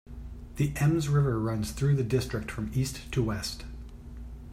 The Ems river runs through the district from east to west.